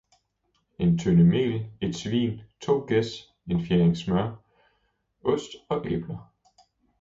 en tønde mel, et svin, to gæs, en fjerding smør, ost og æbler.